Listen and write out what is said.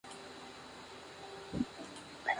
La otra parte es donde se sitúa la punta de Loma Pelada.